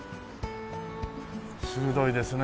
鋭いですね。